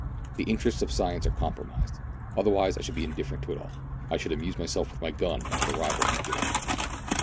The interests of science are compromised, otherwise I should be indifferent to it all. I should amuse myself with my gun until the rivals made it up."